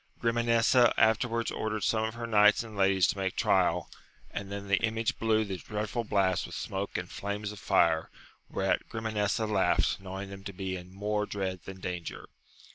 Grimanesa afterwards ordered some of her knights and ladies to make trial, and then the image blew the dreadful blast with smoke and flames of fire ; whereat Grimanesa laughed, knowing them to be in more dread than danger.